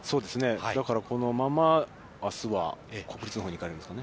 だから、このまま、あすは国立のほうに行かれるんですかね。